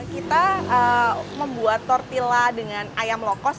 kita membuat tortilla dengan ayam locos